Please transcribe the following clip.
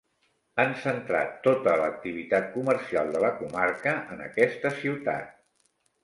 Han centrat tota l'activitat comercial de la comarca en aquesta ciutat.